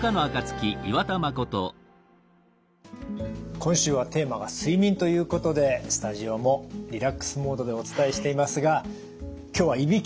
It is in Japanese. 今週はテーマが「睡眠」ということでスタジオもリラックスモードでお伝えしていますが今日はいびき。